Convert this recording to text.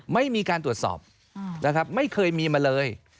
ไม่มีการตรวจสอบนะครับไม่เคยมีมาเลย